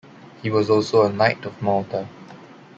He was also a Knight of Malta.